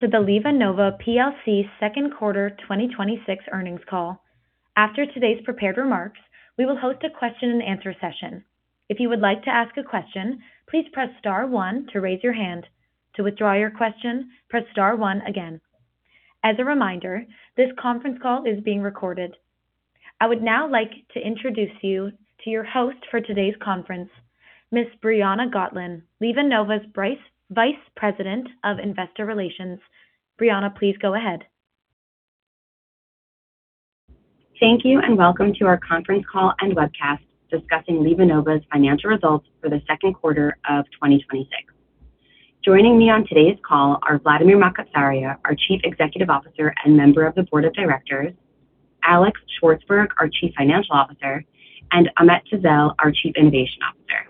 For the LivaNova PLC second quarter 2026 earnings call. After today's prepared remarks, we will host a question and answer session. If you would like to ask a question, please press star one to raise your hand. To withdraw your question, press star one again. As a reminder, this conference call is being recorded. I would now like to introduce you to your host for today's conference, Ms. Briana Gotlin, LivaNova's Vice President of Investor Relations. Briana, please go ahead. Thank you, welcome to our conference call and webcast discussing LivaNova's financial results for the second quarter of 2026. Joining me on today's call are Vladimir Makatsaria, our Chief Executive Officer and Member of the Board of Directors, Alex Shvartsburg, our Chief Financial Officer, and Ahmet Tezel, our Chief Innovation Officer.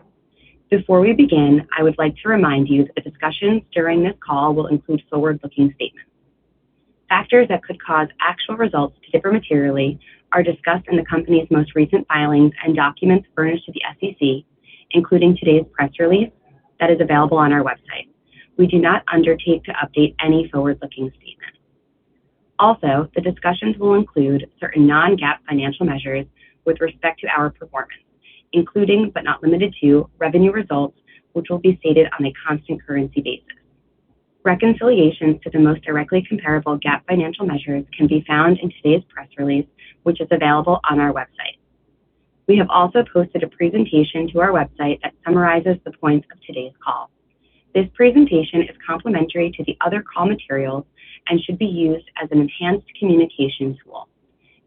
Before we begin, I would like to remind you that discussions during this call will include forward-looking statements. Factors that could cause actual results to differ materially are discussed in the company's most recent filings and documents furnished to the SEC, including today's press release that is available on our website. We do not undertake to update any forward-looking statements. Also, the discussions will include certain non-GAAP financial measures with respect to our performance, including but not limited to revenue results, which will be stated on a constant currency basis. Reconciliations to the most directly comparable GAAP financial measures can be found in today's press release, which is available on our website. We have also posted a presentation to our website that summarizes the points of today's call. This presentation is complementary to the other call materials and should be used as an enhanced communication tool.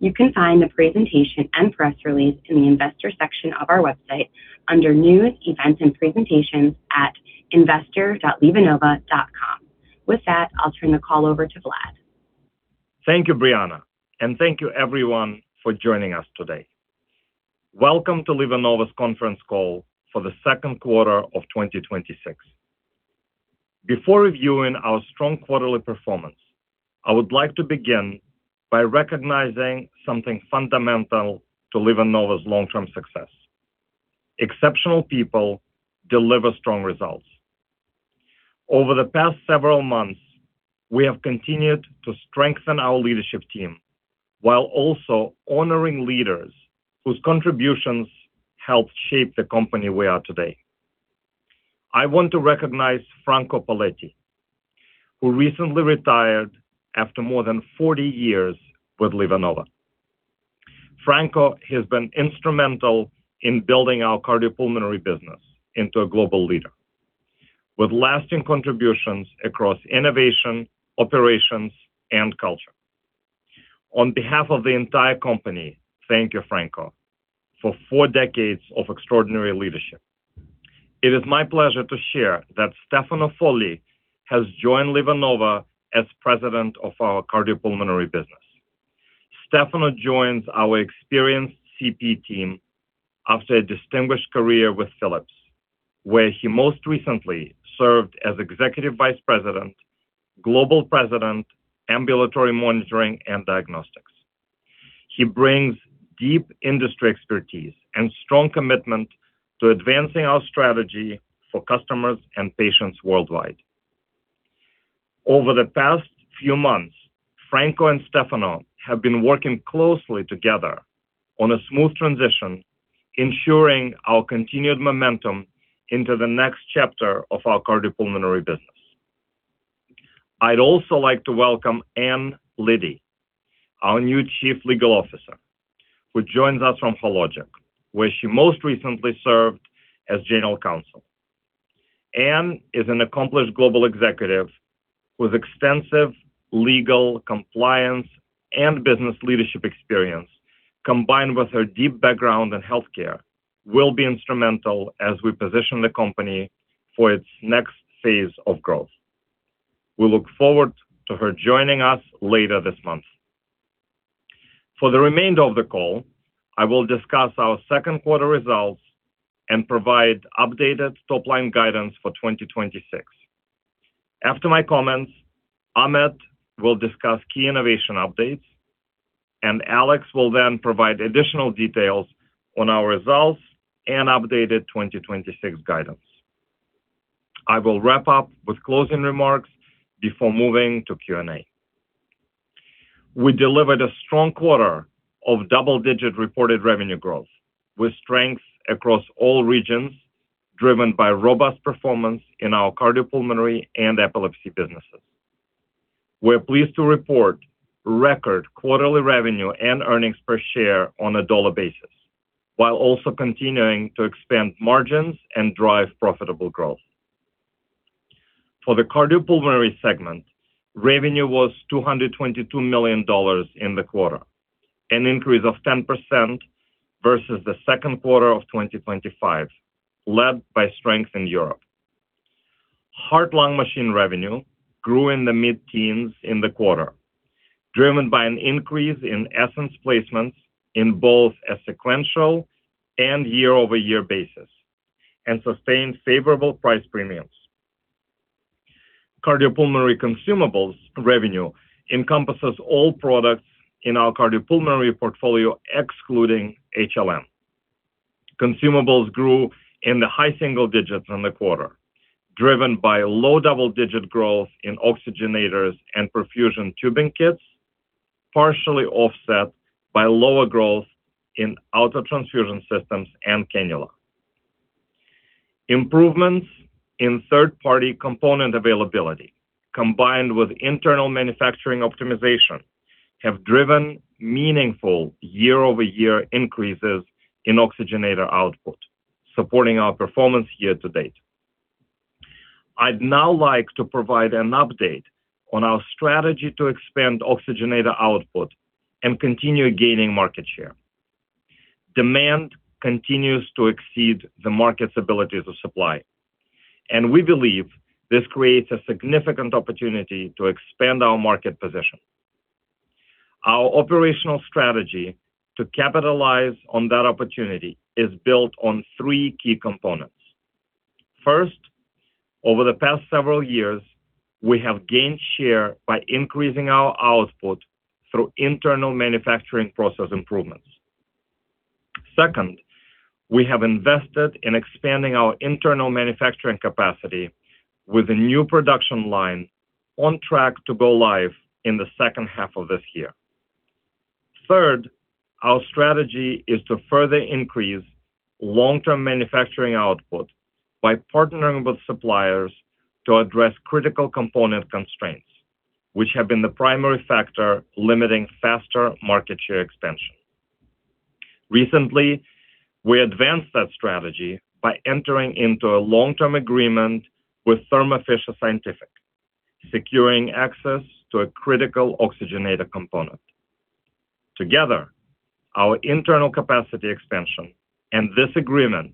You can find the presentation and press release in the investor section of our website under news, events, and presentations at investor.livanova.com. With that, I'll turn the call over to Vlad. Thank you, Briana, thank you everyone for joining us today. Welcome to LivaNova's conference call for the second quarter of 2026. Before reviewing our strong quarterly performance, I would like to begin by recognizing something fundamental to LivaNova's long-term success. Exceptional people deliver strong results. Over the past several months, we have continued to strengthen our leadership team while also honoring leaders whose contributions helped shape the company we are today. I want to recognize Franco Poletti, who recently retired after more than 40 years with LivaNova. Franco has been instrumental in building our Cardiopulmonary business into a global leader with lasting contributions across innovation, operations, and culture. On behalf of the entire company, thank you, Franco, for four decades of extraordinary leadership. It is my pleasure to share that Stefano Folli has joined LivaNova as president of our Cardiopulmonary business. Stefano joins our experienced CP team after a distinguished career with Philips, where he most recently served as Executive Vice President, Global President, Ambulatory Monitoring and Diagnostics. He brings deep industry expertise and strong commitment to advancing our strategy for customers and patients worldwide. Over the past few months, Franco and Stefano have been working closely together on a smooth transition, ensuring our continued momentum into the next chapter of our Cardiopulmonary business. I'd also like to welcome Anne Liddy, our new Chief Legal Officer, who joins us from Hologic, where she most recently served as General Counsel. Anne is an accomplished global executive with extensive legal compliance and business leadership experience, combined with her deep background in healthcare, will be instrumental as we position the company for its next phase of growth. We look forward to her joining us later this month. For the remainder of the call, I will discuss our second quarter results and provide updated top-line guidance for 2026. After my comments, Ahmet will discuss key innovation updates, and Alex will then provide additional details on our results and updated 2026 guidance. I will wrap up with closing remarks before moving to Q&A. We delivered a strong quarter of double-digit reported revenue growth with strength across all regions, driven by robust performance in our Cardiopulmonary and Epilepsy businesses. We're pleased to report record quarterly revenue and earnings per share on a dollar basis, while also continuing to expand margins and drive profitable growth. For the Cardiopulmonary segment, revenue was $222 million in the quarter, an increase of 10% versus the second quarter of 2025, led by strength in Europe. Heart-lung machine revenue grew in the mid-teens in the quarter, driven by an increase in Essenz placements in both a sequential and year-over-year basis, and sustained favorable price premiums. Cardiopulmonary consumables revenue encompasses all products in our Cardiopulmonary portfolio, excluding HLM Consumables grew in the high single digits in the quarter, driven by low double-digit growth in oxygenators and perfusion tubing kits, partially offset by lower growth in autotransfusion systems and cannula. Improvements in third-party component availability, combined with internal manufacturing optimization, have driven meaningful year-over-year increases in oxygenator output, supporting our performance year-to-date. I'd now like to provide an update on our strategy to expand oxygenator output and continue gaining market share. Demand continues to exceed the market's ability to supply, and we believe this creates a significant opportunity to expand our market position. Our operational strategy to capitalize on that opportunity is built on three key components. First, over the past several years, we have gained share by increasing our output through internal manufacturing process improvements. Second, we have invested in expanding our internal manufacturing capacity with a new production line on track to go live in the second half of this year. Third, our strategy is to further increase long-term manufacturing output by partnering with suppliers to address critical component constraints, which have been the primary factor limiting faster market share expansion. Recently, we advanced that strategy by entering into a long-term agreement with Thermo Fisher Scientific, securing access to a critical oxygenator component. Together, our internal capacity expansion and this agreement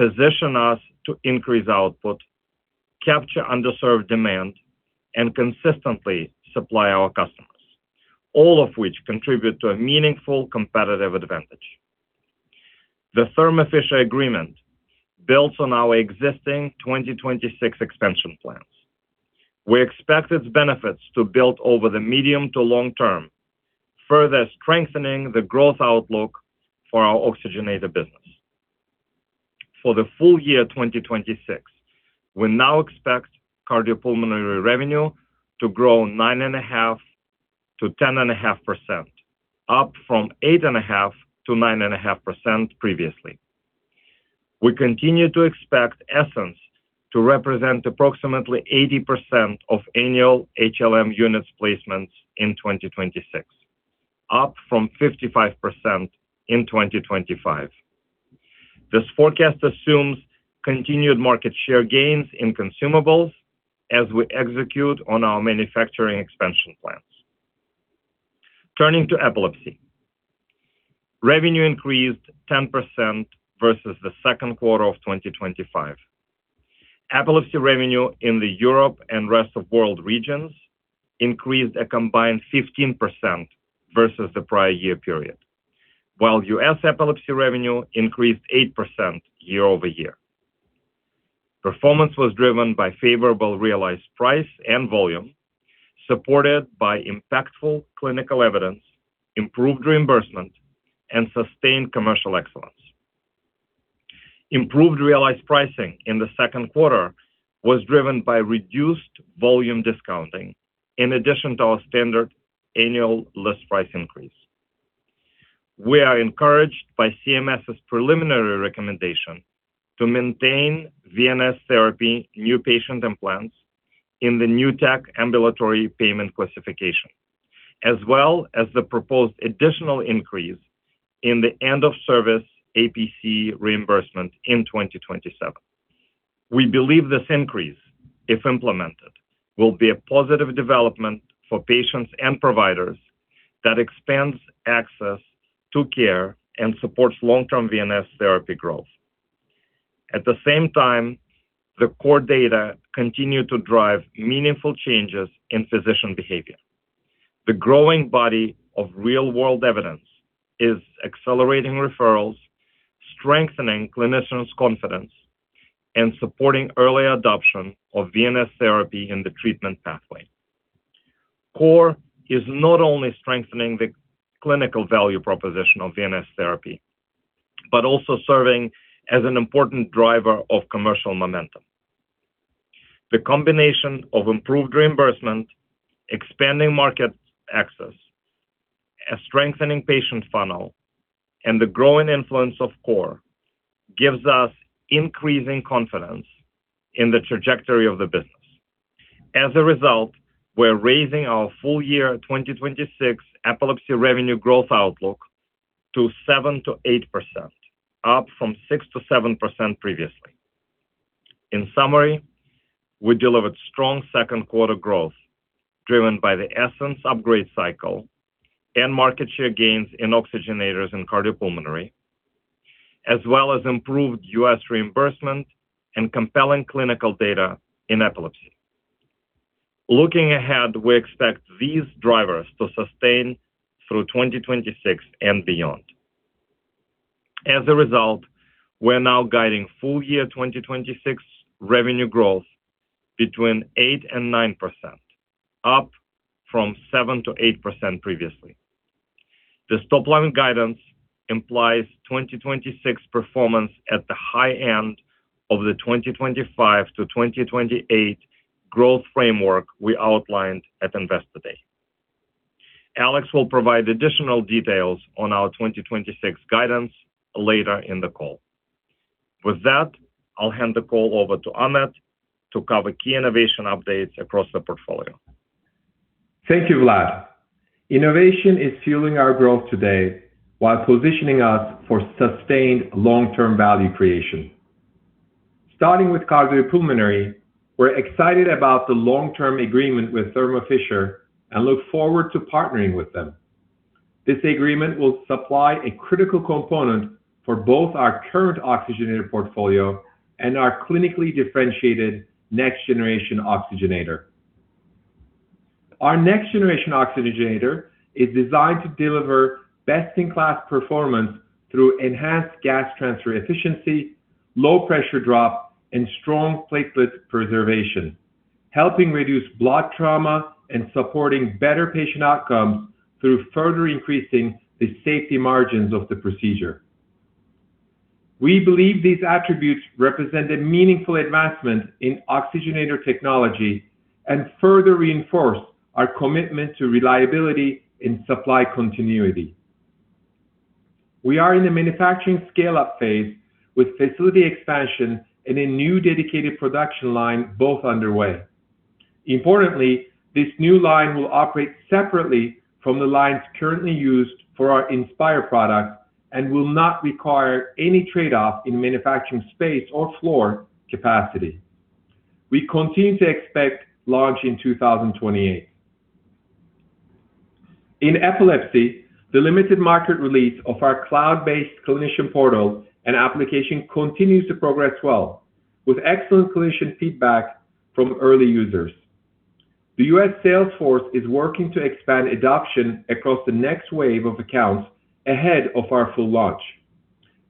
position us to increase output, capture underserved demand, and consistently supply our customers, all of which contribute to a meaningful competitive advantage. The Thermo Fisher agreement builds on our existing 2026 expansion plans. We expect its benefits to build over the medium to long term, further strengthening the growth outlook for our oxygenator business. For the full year 2026, we now expect Cardiopulmonary revenue to grow 9.5%-10.5%, up from 8.5%-9.5% previously. We continue to expect Essenz to represent approximately 80% of annual HLM units placements in 2026, up from 55% in 2025. This forecast assumes continued market share gains in consumables as we execute on our manufacturing expansion plans. Turning to epilepsy. Revenue increased 10% versus the second quarter of 2025. Epilepsy revenue in the Europe and rest of world regions increased a combined 15% versus the prior year period, while U.S. epilepsy revenue increased 8% year-over-year. Performance was driven by favorable realized price and volume, supported by impactful clinical evidence, improved reimbursement, and sustained commercial excellence. Improved realized pricing in the second quarter was driven by reduced volume discounting in addition to our standard annual list price increase. We are encouraged by CMS's preliminary recommendation to maintain VNS Therapy new patient implants in the new tech ambulatory payment classification, as well as the proposed additional increase in the end of service APC reimbursement in 2027. We believe this increase, if implemented, will be a positive development for patients and providers that expands access to care and supports long-term VNS Therapy growth. At the same time, the Core data continue to drive meaningful changes in physician behavior. The growing body of real-world evidence is accelerating referrals, strengthening clinicians' confidence, and supporting early adoption of VNS Therapy in the treatment pathway. Core is not only strengthening the clinical value proposition of VNS Therapy, but also serving as an important driver of commercial momentum. The combination of improved reimbursement, expanding market access, a strengthening patient funnel, and the growing influence of Core gives us increasing confidence in the trajectory of the business. As a result, we're raising our full year 2026 epilepsy revenue growth outlook to 7%-8%, up from 6%-7% previously. In summary, we delivered strong second quarter growth driven by the Essenz upgrade cycle and market share gains in oxygenators and Cardiopulmonary, as well as improved U.S. reimbursement and compelling clinical data in epilepsy. Looking ahead, we expect these drivers to sustain through 2026 and beyond. As a result, we're now guiding full year 2026 revenue growth between 8% and 9%, up from 7%-8% previously. This top-line guidance implies 2026 performance at the high end of the 2025 to 2028 growth framework we outlined at Investor Day. Alex will provide additional details on our 2026 guidance later in the call. With that, I'll hand the call over to Ahmet to cover key innovation updates across the portfolio. Thank you, Vlad. Innovation is fueling our growth today while positioning us for sustained long-term value creation. Starting with Cardiopulmonary, we're excited about the long-term agreement with Thermo Fisher and look forward to partnering with them. This agreement will supply a critical component for both our current oxygenator portfolio and our clinically differentiated next-generation oxygenator. Our next-generation oxygenator is designed to deliver best-in-class performance through enhanced gas transfer efficiency, low pressure drop, and strong platelet preservation, helping reduce blood trauma and supporting better patient outcomes through further increasing the safety margins of the procedure. We believe these attributes represent a meaningful advancement in oxygenator technology and further reinforce our commitment to reliability and supply continuity. We are in the manufacturing scale-up phase with facility expansion and a new dedicated production line both underway. Importantly, this new line will operate separately from the lines currently used for our Inspire product and will not require any trade-off in manufacturing space or floor capacity. We continue to expect launch in 2028. In epilepsy, the limited market release of our cloud-based clinician portal and application continues to progress well, with excellent clinician feedback from early users. The U.S. sales force is working to expand adoption across the next wave of accounts ahead of our full launch.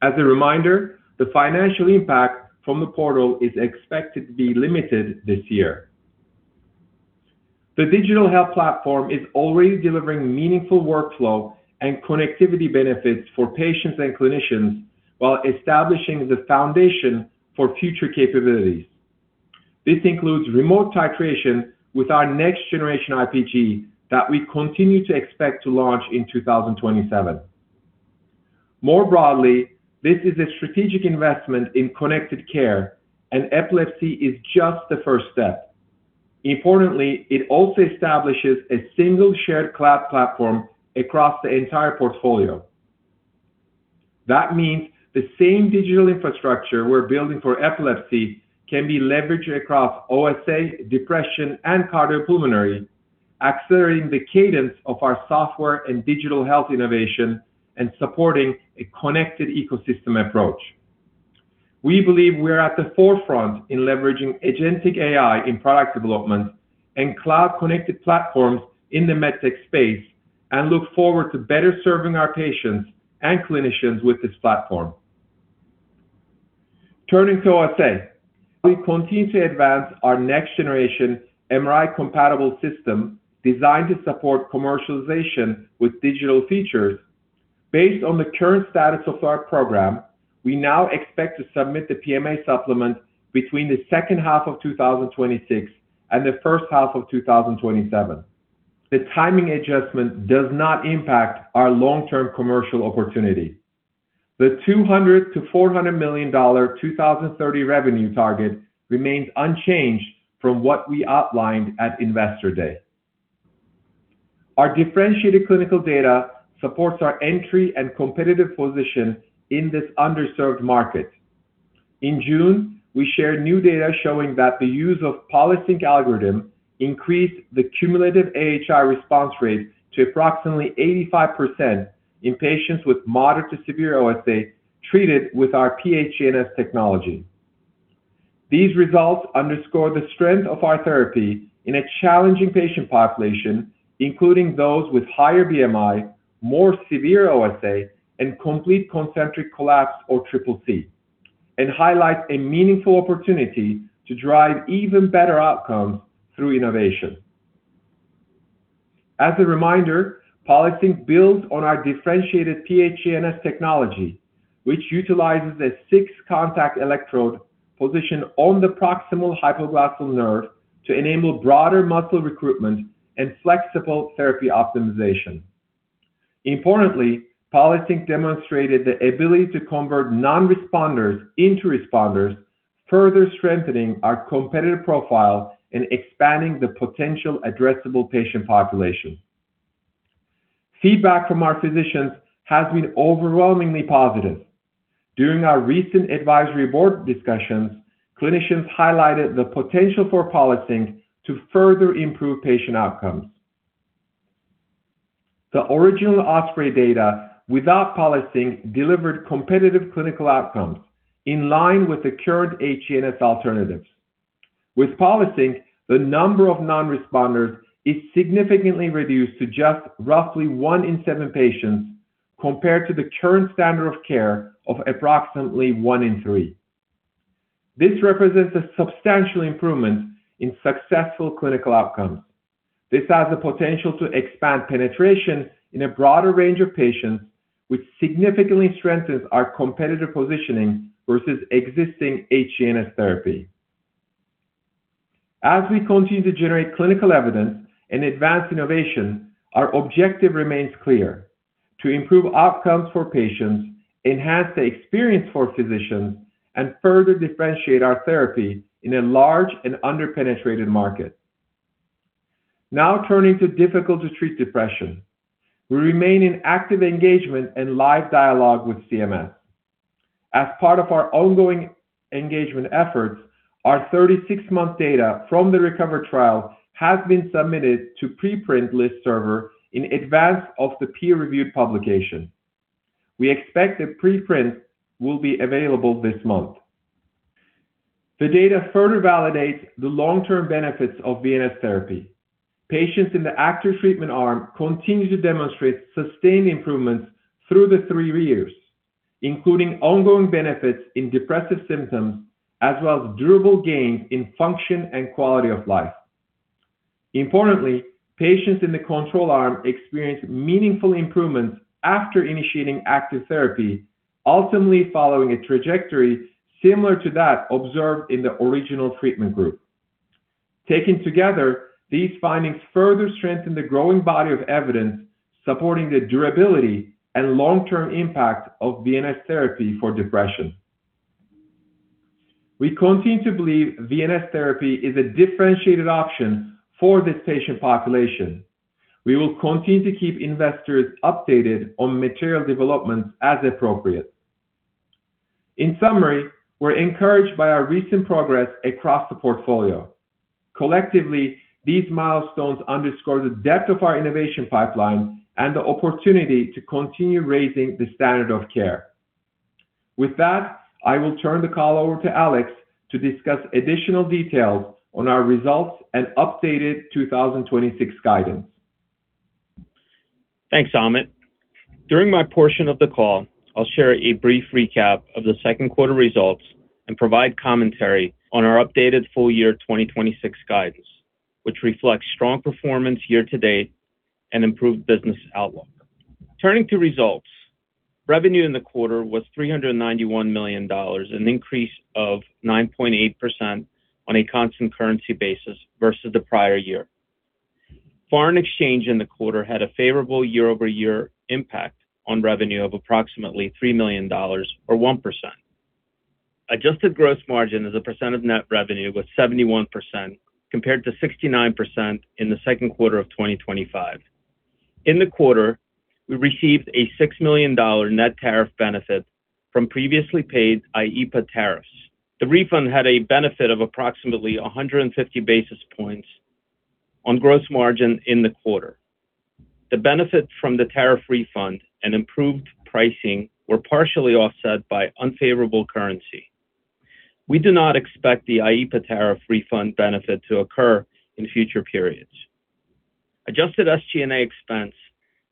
As a reminder, the financial impact from the portal is expected to be limited this year. The digital health platform is already delivering meaningful workflow and connectivity benefits for patients and clinicians while establishing the foundation for future capabilities. This includes remote titration with our next-generation IPG that we continue to expect to launch in 2027. More broadly, this is a strategic investment in connected care, and epilepsy is just the first step. Importantly, it also establishes a single shared cloud platform across the entire portfolio. That means the same digital infrastructure we're building for epilepsy can be leveraged across OSA, depression, and Cardiopulmonary, accelerating the cadence of our software and digital health innovation and supporting a connected ecosystem approach. We believe we are at the forefront in leveraging agentic AI in product development and cloud-connected platforms in the MedTech space and look forward to better serving our patients and clinicians with this platform. Turning to OSA, we continue to advance our next-generation MRI-compatible system designed to support commercialization with digital features. Based on the current status of our program, we now expect to submit the PMA supplement between the second half of 2026 and the first half of 2027. The timing adjustment does not impact our long-term commercial opportunity. The $200 million-$400 million 2030 revenue target remains unchanged from what we outlined at Investor Day. Our differentiated clinical data supports our entry and competitive position in this underserved market. In June, we shared new data showing that the use of PolySync algorithm increased the cumulative AHI response rate to approximately 85% in patients with moderate to severe OSA treated with our PHNS technology. These results underscore the strength of our therapy in a challenging patient population, including those with higher BMI, more severe OSA, and complete concentric collapse or CCC. Highlight a meaningful opportunity to drive even better outcomes through innovation. As a reminder, PolySync builds on our differentiated PHNS technology, which utilizes a six-contact electrode positioned on the proximal hypoglossal nerve to enable broader muscle recruitment and flexible therapy optimization. Importantly, PolySync demonstrated the ability to convert non-responders into responders, further strengthening our competitive profile and expanding the potential addressable patient population. Feedback from our physicians has been overwhelmingly positive. During our recent advisory board discussions, clinicians highlighted the potential for PolySync to further improve patient outcomes. The original OSPREY data without PolySync delivered competitive clinical outcomes in line with the current HGNS alternatives. With PolySync, the number of non-responders is significantly reduced to just roughly one in seven patients. Compared to the current standard of care of approximately one in three, this represents a substantial improvement in successful clinical outcomes. This has the potential to expand penetration in a broader range of patients, which significantly strengthens our competitive positioning versus existing HGNS therapy. As we continue to generate clinical evidence and advance innovation, our objective remains clear: to improve outcomes for patients, enhance the experience for physicians, and further differentiate our therapy in a large and under-penetrated market. Now turning to difficult-to-treat depression. We remain in active engagement and live dialogue with CMS. As part of our ongoing engagement efforts, our 36-month data from the RECOVER trial has been submitted to medRxiv in advance of the peer-reviewed publication. We expect the preprint will be available this month. The data further validates the long-term benefits of VNS Therapy. Patients in the active treatment arm continue to demonstrate sustained improvements through the three years, including ongoing benefits in depressive symptoms, as well as durable gains in function and quality of life. Importantly, patients in the control arm experienced meaningful improvements after initiating active therapy, ultimately following a trajectory similar to that observed in the original treatment group. Taken together, these findings further strengthen the growing body of evidence supporting the durability and long-term impact of VNS Therapy for depression. We continue to believe VNS Therapy is a differentiated option for this patient population. We will continue to keep investors updated on material developments as appropriate. In summary, we're encouraged by our recent progress across the portfolio. Collectively, these milestones underscore the depth of our innovation pipeline and the opportunity to continue raising the standard of care. With that, I will turn the call over to Alex to discuss additional details on our results and updated 2026 guidance. Thanks, Ahmet. During my portion of the call, I'll share a brief recap of the second quarter results and provide commentary on our updated full year 2026 guidance, which reflects strong performance year to date and improved business outlook. Turning to results. Revenue in the quarter was $391 million, an increase of 9.8% on a constant currency basis versus the prior year. Foreign exchange in the quarter had a favorable year-over-year impact on revenue of approximately $3 million, or 1%. Adjusted gross margin as a percent of net revenue was 71%, compared to 69% in the second quarter of 2025. In the quarter, we received a $6 million net tariff benefit from previously paid IEEPA tariffs. The refund had a benefit of approximately 150 basis points on gross margin in the quarter. The benefit from the tariff refund and improved pricing were partially offset by unfavorable currency. We do not expect the IEEPA tariff refund benefit to occur in future periods. Adjusted SG&A expense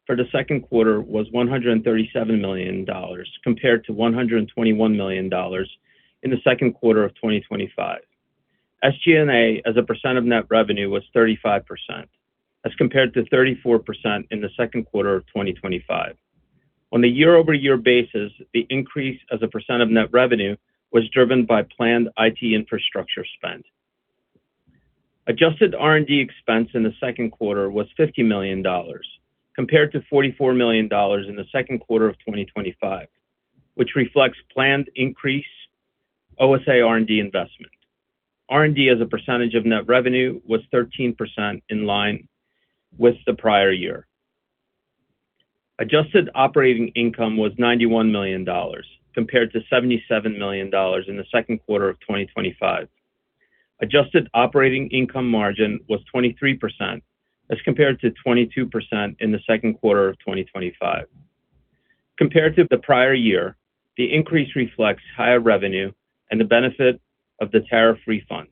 for the second quarter was $137 million, compared to $121 million in the second quarter of 2025. SG&A as a percent of net revenue was 35%, as compared to 34% in the second quarter of 2025. On a year-over-year basis, the increase as a percent of net revenue was driven by planned IT infrastructure spend. Adjusted R&D expense in the second quarter was $50 million, compared to $44 million in the second quarter of 2025, which reflects planned increase OSA R&D investment. R&D as a percentage of net revenue was 13%, in line with the prior year. Adjusted operating income was $91 million, compared to $77 million in the second quarter of 2025. Adjusted operating income margin was 23%, as compared to 22% in the second quarter of 2025. Compared to the prior year, the increase reflects higher revenue and the benefit of the tariff refund,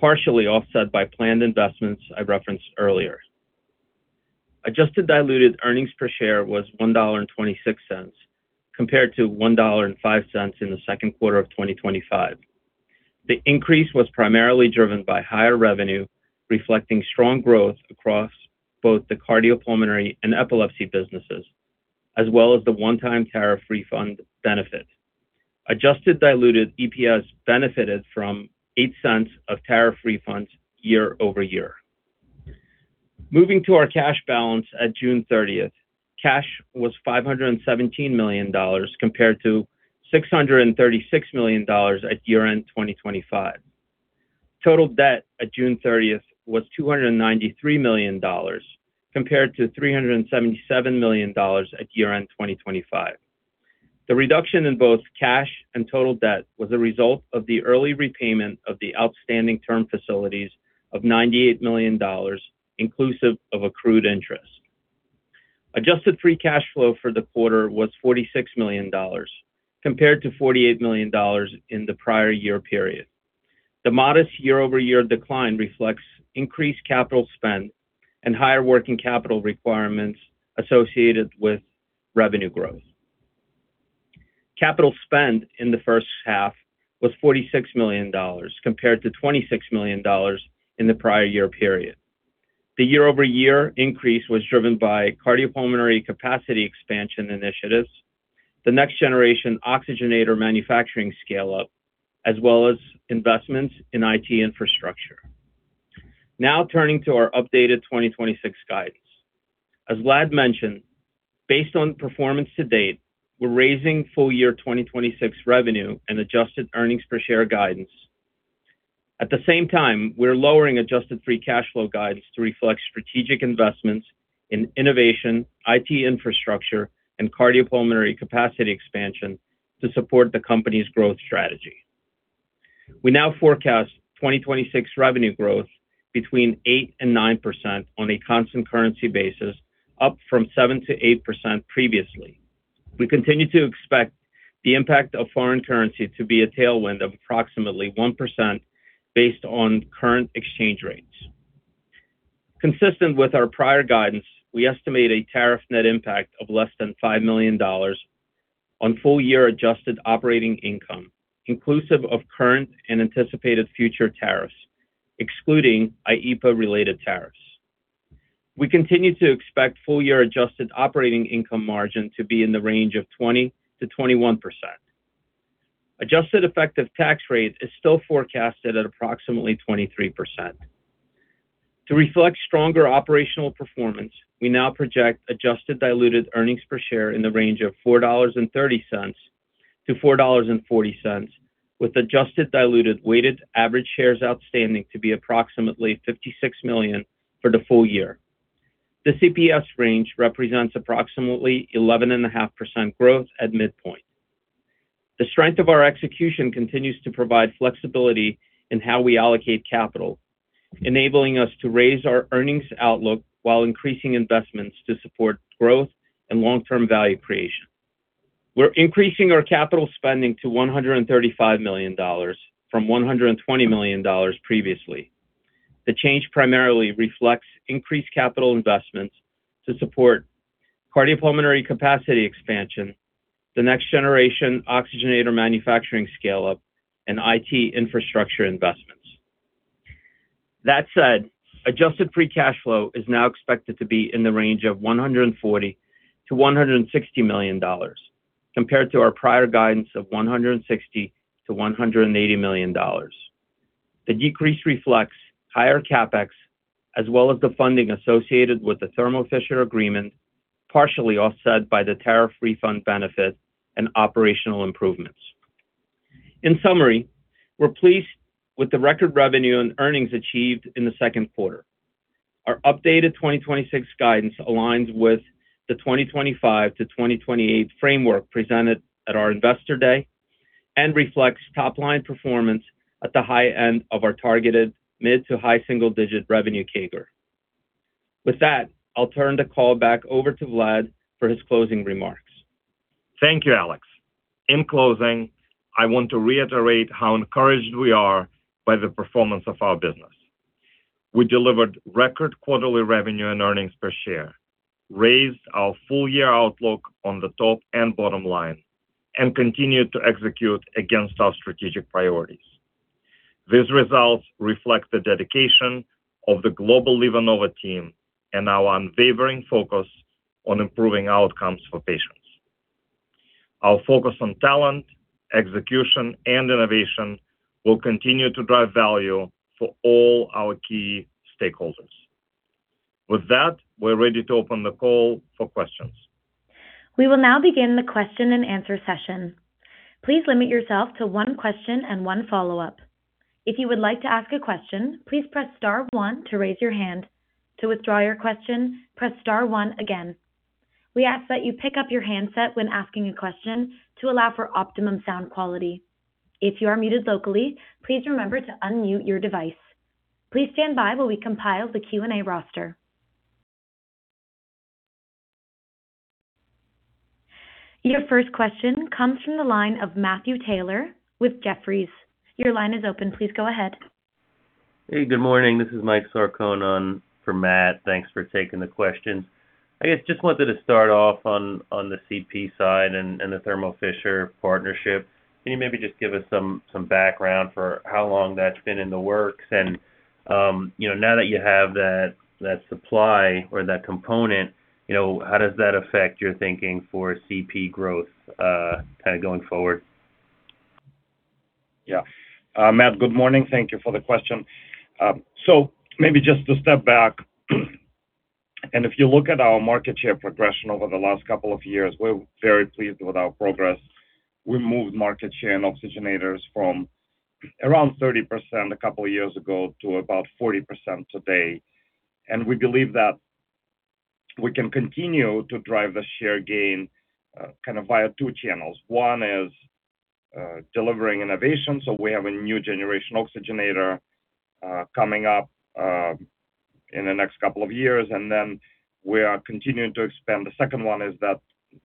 partially offset by planned investments I referenced earlier. Adjusted diluted earnings per share was $1.26, compared to $1.05 in the second quarter of 2025. The increase was primarily driven by higher revenue, reflecting strong growth across both the cardiopulmonary and epilepsy businesses, as well as the one-time tariff refund benefit. Adjusted diluted EPS benefited from $0.08 of tariff refunds year-over-year. Moving to our cash balance at June 30th. Cash was $517 million, compared to $636 million at year-end 2025. Total debt at June 30th was $293 million, compared to $377 million at year-end 2025. The reduction in both cash and total debt was a result of the early repayment of the outstanding term facilities of $98 million, inclusive of accrued interest. Adjusted free cash flow for the quarter was $46 million, compared to $48 million in the prior year period. The modest year-over-year decline reflects increased capital spend and higher working capital requirements associated with revenue growth. Capital spend in the first half was $46 million compared to $26 million in the prior year period. The year-over-year increase was driven by cardiopulmonary capacity expansion initiatives, the next-generation oxygenator manufacturing scale-up, as well as investments in IT infrastructure. Now turning to our updated 2026 guidance. As Vlad mentioned, based on performance to date, we're raising full year 2026 revenue and adjusted earnings per share guidance. At the same time, we're lowering adjusted free cash flow guidance to reflect strategic investments in innovation, IT infrastructure, and cardiopulmonary capacity expansion to support the company's growth strategy. We now forecast 2026 revenue growth between 8%-9% on a constant currency basis, up from 7%-8% previously. We continue to expect the impact of foreign currency to be a tailwind of approximately 1% based on current exchange rates. Consistent with our prior guidance, we estimate a tariff net impact of less than $5 million on full-year adjusted operating income, inclusive of current and anticipated future tariffs, excluding IEEPA-related tariffs. We continue to expect full-year adjusted operating income margin to be in the range of 20%-21%. Adjusted effective tax rate is still forecasted at approximately 23%. To reflect stronger operational performance, we now project adjusted diluted earnings per share in the range of $4.30-$4.40, with adjusted diluted weighted average shares outstanding to be approximately 56 million for the full year. The EPS range represents approximately 11.5% growth at midpoint. The strength of our execution continues to provide flexibility in how we allocate capital, enabling us to raise our earnings outlook while increasing investments to support growth and long-term value creation. We're increasing our capital spending to $135 million from $120 million previously. The change primarily reflects increased capital investments to support cardiopulmonary capacity expansion, the next-generation oxygenator manufacturing scale-up, and IT infrastructure investments. That said, adjusted free cash flow is now expected to be in the range of $140 million-$160 million, compared to our prior guidance of $160 million-$180 million. The decrease reflects higher CapEx, as well as the funding associated with the Thermo Fisher agreement, partially offset by the tariff refund benefit and operational improvements. In summary, we're pleased with the record revenue and earnings achieved in the second quarter. Our updated 2026 guidance aligns with the 2025 to 2028 framework presented at our Investor Day and reflects top-line performance at the high end of our targeted mid to high single-digit revenue CAGR. With that, I'll turn the call back over to Vlad for his closing remarks. Thank you, Alex. In closing, I want to reiterate how encouraged we are by the performance of our business. We delivered record quarterly revenue and earnings per share, raised our full-year outlook on the top and bottom line, and continued to execute against our strategic priorities. These results reflect the dedication of the global LivaNova team and our unwavering focus on improving outcomes for patients. Our focus on talent, execution, and innovation will continue to drive value for all our key stakeholders. With that, we're ready to open the call for questions. We will now begin the question and answer session. Please limit yourself to one question and one follow-up. If you would like to ask a question, please press star one to raise your hand. To withdraw your question, press star one again. We ask that you pick up your handset when asking a question to allow for optimum sound quality. If you are muted locally, please remember to unmute your device. Please stand by while we compile the Q&A roster. Your first question comes from the line of Matthew Taylor with Jefferies. Your line is open. Please go ahead. Good morning. This is Mike Sarcone for Matt. Thanks for taking the question. Wanted to start off on the CP side and the Thermo Fisher partnership. Can you maybe just give us some background for how long that's been in the works? Now that you have that supply or that component, how does that affect your thinking for CP growth going forward? Mike, good morning. Thank you for the question. If you look at our market share progression over the last couple of years, we're very pleased with our progress. We moved market share and oxygenators from around 30% a couple of years ago to about 40% today, and we believe that we can continue to drive the share gain via two channels. One is delivering innovation. We have a new generation oxygenator in the next couple of years, we are continuing to expand. The second one is that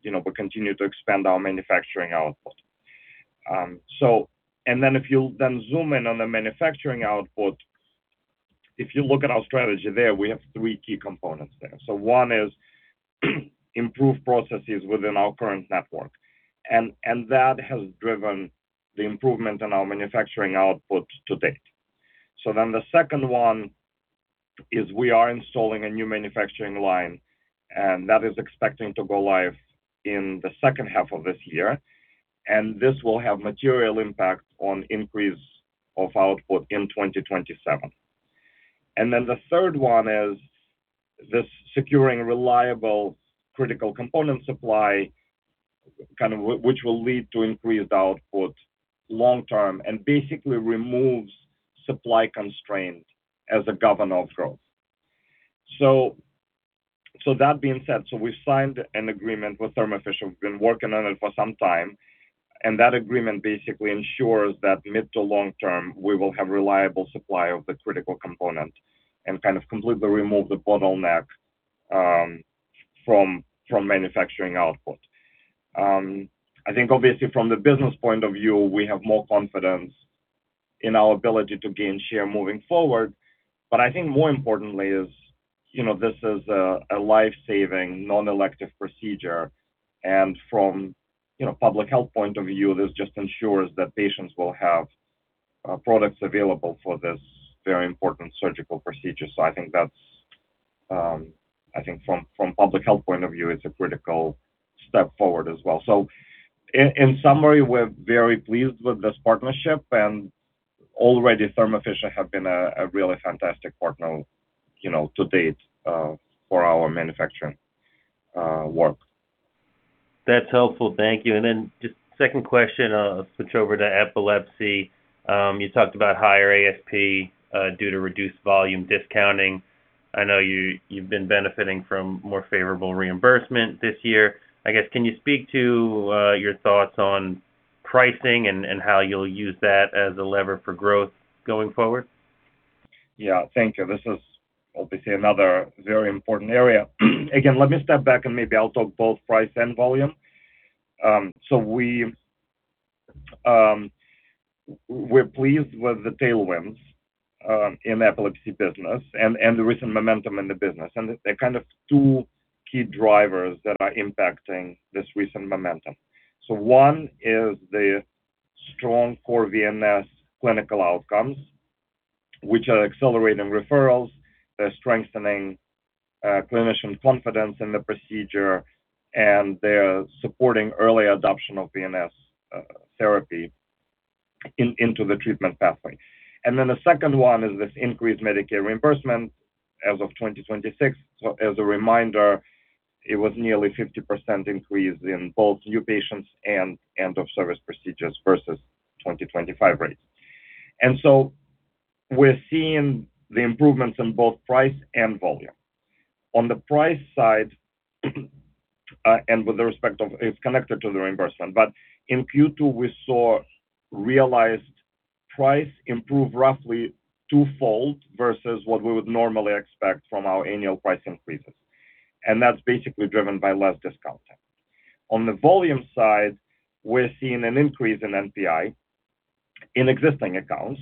we continue to expand our manufacturing output. If you zoom in on the manufacturing output, if you look at our strategy there, we have three key components there. One is improve processes within our current network. That has driven the improvement in our manufacturing output to date. The second one is we are installing a new manufacturing line, and that is expecting to go live in the second half of this year. This will have material impact on increase of output in 2027. The third one is this securing reliable critical component supply, which will lead to increased output long-term and basically removes supply constraint as a governor of growth. We signed an agreement with Thermo Fisher. We've been working on it for some time. That agreement basically ensures that mid to long-term, we will have reliable supply of the critical component and completely remove the bottleneck from manufacturing output. I think obviously from the business point of view, we have more confidence in our ability to gain share moving forward. I think more importantly is this is a life-saving, non-elective procedure. From public health point of view, this just ensures that patients will have products available for this very important surgical procedure. I think from public health point of view, it's a critical step forward as well. In summary, we're very pleased with this partnership. Already, Thermo Fisher have been a really fantastic partner to date for our manufacturing work. That's helpful. Thank you. Just second question, I'll switch over to epilepsy. You talked about higher ASP due to reduced volume discounting. I know you've been benefiting from more favorable reimbursement this year. I guess, can you speak to your thoughts on pricing and how you'll use that as a lever for growth going forward? Yeah. Thank you. This is obviously another very important area. Again, let me step back and maybe I'll talk both price and volume. We're pleased with the tailwinds in epilepsy business and the recent momentum in the business. There are kind of two key drivers that are impacting this recent momentum. One is the strong core VNS clinical outcomes, which are accelerating referrals. They're strengthening clinician confidence in the procedure, and they're supporting early adoption of VNS Therapy into the treatment pathway. The second one is this increased Medicare reimbursement as of 2026. As a reminder, it was nearly 50% increase in both new patients and end of service procedures versus 2025 rates. We're seeing the improvements in both price and volume. On the price side, it's connected to the reimbursement. In Q2, we saw realized price improve roughly twofold versus what we would normally expect from our annual price increases. That's basically driven by less discounting. On the volume side, we're seeing an increase in NPI in existing accounts.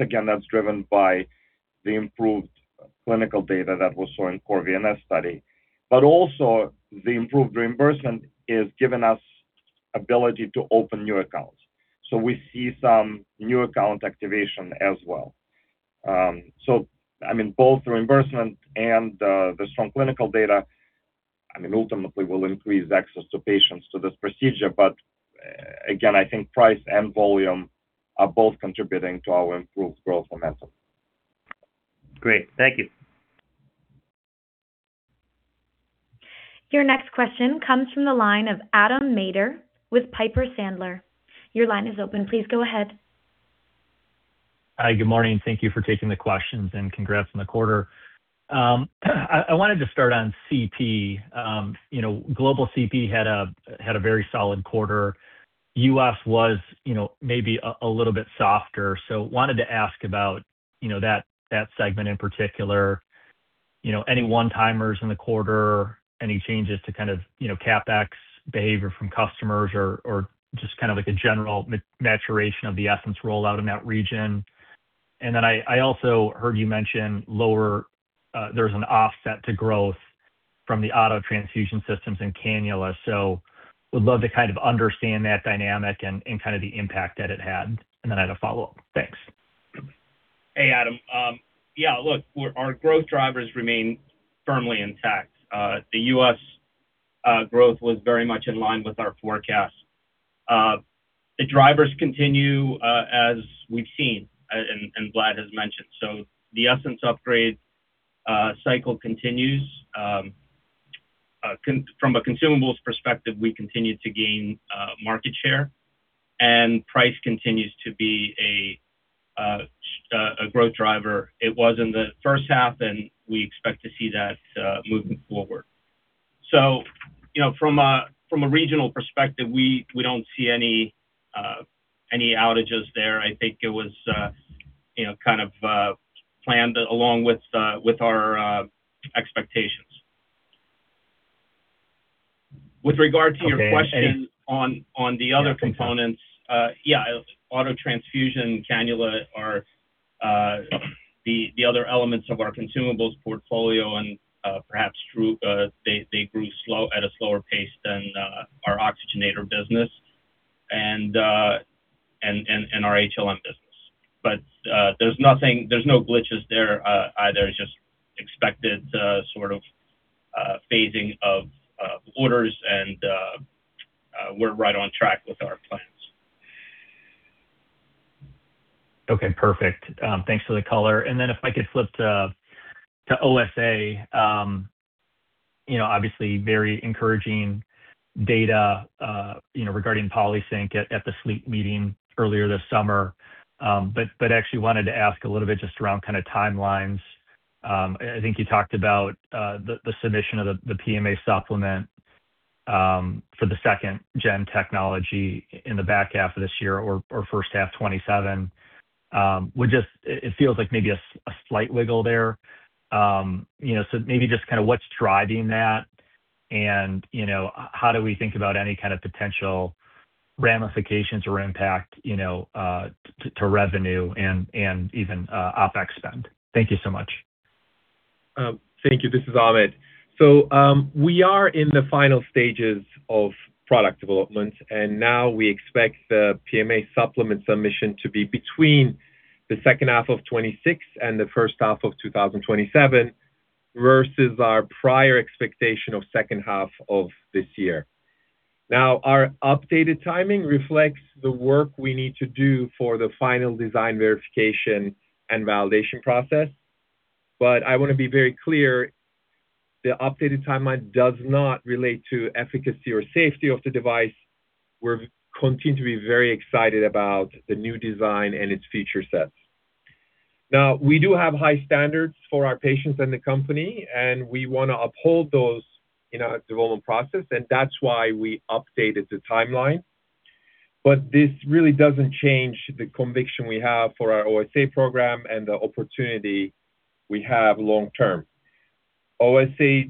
Again, that's driven by the improved clinical data that we saw in core VNS study. Also, the improved reimbursement has given us ability to open new accounts. We see some new account activation as well. I mean, both the reimbursement and the strong clinical data, I mean, ultimately will increase access to patients to this procedure. Again, I think price and volume are both contributing to our improved growth momentum. Great. Thank you. Your next question comes from the line of Adam Maeder with Piper Sandler. Your line is open. Please go ahead. Hi. Good morning. Thank you for taking the questions, and congrats on the quarter. I wanted to start on CP. Global CP had a very solid quarter. U.S. was maybe a little bit softer. Wanted to ask about that segment in particular. Any one-timers in the quarter, any changes to kind of CapEx behavior from customers or just kind of like a general maturation of the Essenz rollout in that region? I also heard you mention there's an offset to growth from the auto transfusion systems in Cannula. Would love to kind of understand that dynamic and kind of the impact that it had. I had a follow-up. Thanks. Hey, Adam. Yeah, look, our growth drivers remain firmly intact. The U.S. growth was very much in line with our forecast. The drivers continue as we've seen and Vlad has mentioned. The Essenz upgrade cycle continues. From a consumables perspective, we continue to gain market share and price continues to be a growth driver. It was in the first half, and we expect to see that moving forward. From a regional perspective, we don't see any Any outages there, I think it was kind of planned along with our expectations. With regard to your question on the other components, yeah, auto transfusion, cannula are the other elements of our consumables portfolio and perhaps they grew at a slower pace than our oxygenator business and our HLM business. There's no glitches there either, just expected sort of phasing of orders and we're right on track with our plans. Okay, perfect. Thanks for the color. If I could flip to OSA. Obviously very encouraging data regarding PolySync at the Sleep Meeting earlier this summer. Actually wanted to ask a little bit just around kind of timelines. I think you talked about the submission of the PMA supplement for the second-gen technology in the back half of this year or first half 2027. It feels like maybe a slight wiggle there. Maybe just kind of what's driving that and how do we think about any kind of potential ramifications or impact to revenue and even OpEx spend. Thank you so much. Thank you. This is Ahmet. We are in the final stages of product development, and now we expect the PMA supplement submission to be between the second half of 2026 and the first half of 2027 versus our prior expectation of second half of this year. Our updated timing reflects the work we need to do for the final design verification and validation process. I want to be very clear, the updated timeline does not relate to efficacy or safety of the device. We continue to be very excited about the new design and its feature sets. We do have high standards for our patients and the company, and we want to uphold those in our development process, and that's why we updated the timeline. This really doesn't change the conviction we have for our OSA program and the opportunity we have long term. OSA,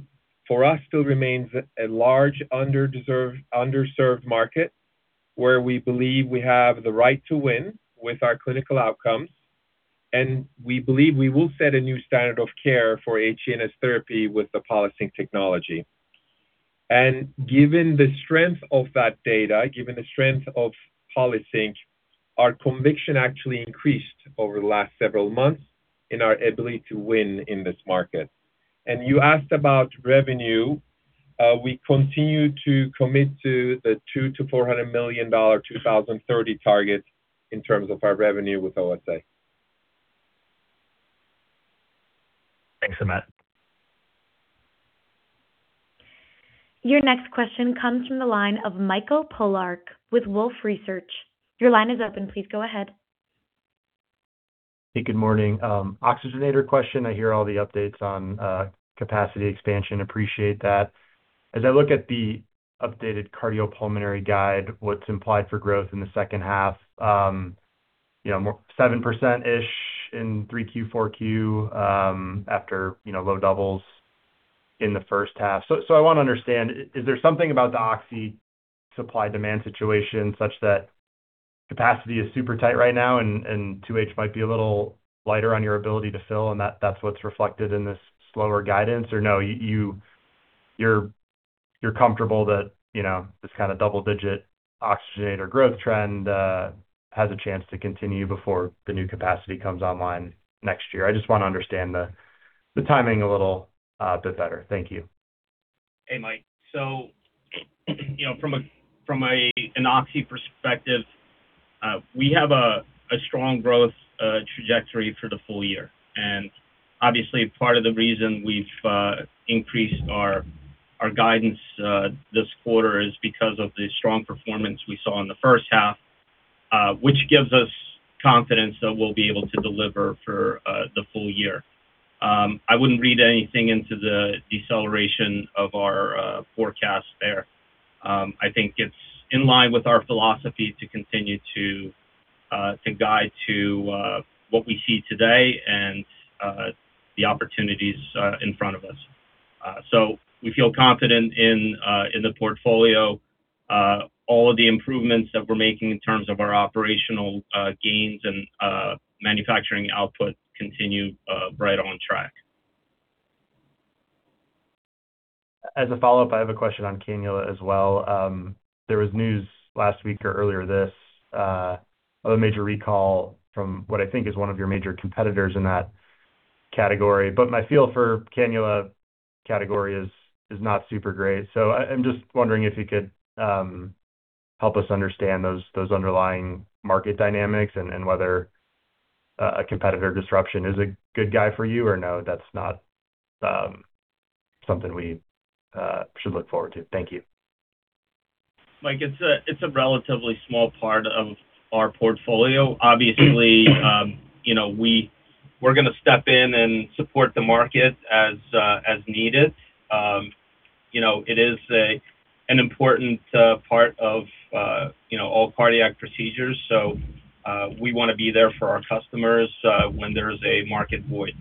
for us, still remains a large underserved market, where we believe we have the right to win with our clinical outcomes, and we believe we will set a new standard of care for HGNS therapy with the PolySync technology. Given the strength of that data, given the strength of PolySync, our conviction actually increased over the last several months in our ability to win in this market. You asked about revenue. We continue to commit to the $200 million-$400 million 2030 target in terms of our revenue with OSA. Thanks, Ahmet. Your next question comes from the line of Michael Polark with Wolfe Research. Your line is open. Please go ahead. Hey, good morning. Oxygenator question. I hear all the updates on capacity expansion. Appreciate that. As I look at the updated cardiopulmonary guide, what's implied for growth in the second half, 7%-ish in Q3, Q4, after low doubles in the first half. I want to understand, is there something about the oxy supply-demand situation such that capacity is super tight right now and 2H might be a little lighter on your ability to fill and that's what's reflected in this slower guidance? Or no, you're comfortable that this kind of double-digit oxygenator growth trend has a chance to continue before the new capacity comes online next year. I just want to understand the timing a little bit better. Thank you. Hey, Mike. From an oxy perspective, we have a strong growth trajectory for the full year. Obviously, part of the reason we've increased our guidance this quarter is because of the strong performance we saw in the first half, which gives us confidence that we'll be able to deliver for the full year. I wouldn't read anything into the deceleration of our forecast there. I think it's in line with our philosophy to continue to guide to what we see today and the opportunities in front of us. We feel confident in the portfolio. All of the improvements that we're making in terms of our operational gains and manufacturing output continue right on track. As a follow-up, I have a question on cannula as well. There was news last week or earlier this of a major recall from what I think is one of your major competitors in that category. My feel for cannula category is not super great. I'm just wondering if you could help us understand those underlying market dynamics and whether a competitor disruption is a good guy for you, or no, that's not something we should look forward to. Thank you. Mike, it's a relatively small part of our portfolio. We're going to step in and support the market as needed. It is an important part of all cardiac procedures, we want to be there for our customers when there is a market void.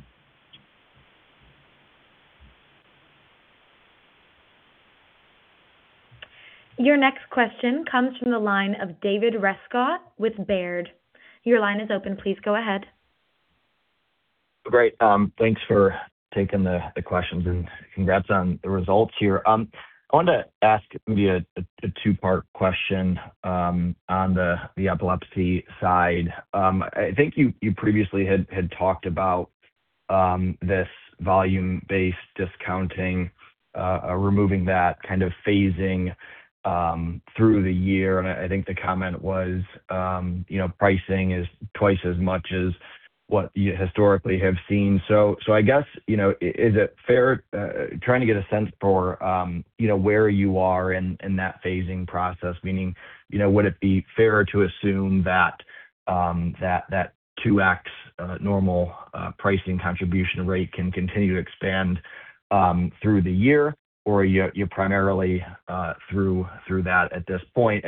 Your next question comes from the line of David Rescott with Baird. Your line is open. Please go ahead. Great. Thanks for taking the questions, congrats on the results here. I wanted to ask maybe a two-part question on the epilepsy side. I think you previously had talked about this volume-based discounting, removing that kind of phasing through the year, I think the comment was pricing is twice as much as what you historically have seen. I guess, trying to get a sense for where you are in that phasing process, meaning, would it be fair to assume that 2x normal pricing contribution rate can continue to expand through the year, or you're primarily through that at this point?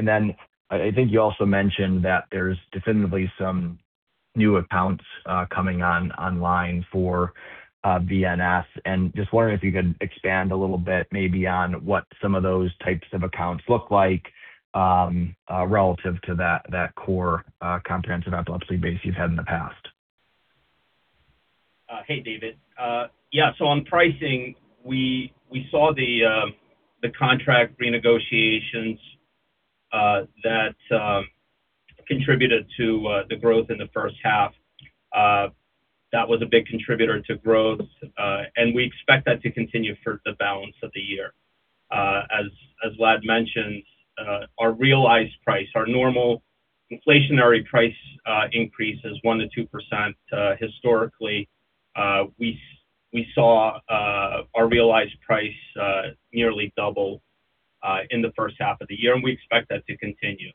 I think you also mentioned that there's definitively some new accounts coming online for VNS, just wondering if you could expand a little bit maybe on what some of those types of accounts look like relative to that core comprehensive epilepsy base you've had in the past. Hey, David. Yeah. On pricing, we saw the contract renegotiations that contributed to the growth in the first half. That was a big contributor to growth, and we expect that to continue for the balance of the year. As Vlad mentioned, our realized price, our normal inflationary price increase is 1%-2% historically. We saw our realized price nearly double in the first half of the year, and we expect that to continue.